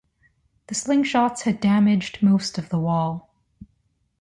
The slingshots had damaged most of the wall.